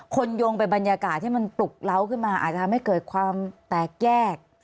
โยงไปบรรยากาศที่มันปลุกเล้าขึ้นมาอาจจะทำให้เกิดความแตกแยก